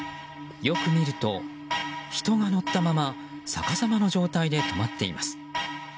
よく見ると、人が乗ったまま逆さまの状態で止まっています。